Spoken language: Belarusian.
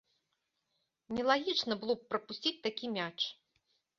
Нелагічна было б прапусціць такі мяч.